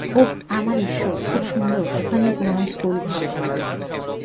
ওহ, আমার ঈশ্বর, খুব সুন্দর ওখানেই পুরনো স্কুলঘর।